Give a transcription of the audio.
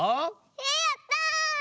えやった！